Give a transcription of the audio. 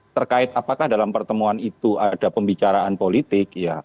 terkait apakah dalam pertemuan itu ada pembicaraan politik